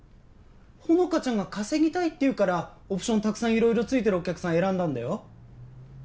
ほのかちゃんが稼ぎたいって言うからオプションたくさんいろいろ付いてるお客さん選んだんだよ？